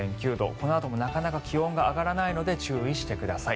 このあともなかなか気温が上がらないので注意してください。